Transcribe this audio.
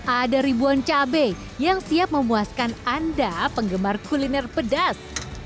ada ribuan cabai yang siap memuaskan anda penggemar kuliner pedas